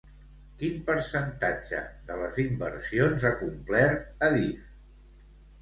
Quin percentatge de les inversions ha complert Adif?